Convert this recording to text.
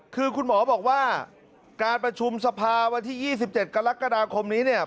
คือคุณหมอบอกว่าการประชุมสภาวันที่๒๗กรกฎาคมนี้เนี่ย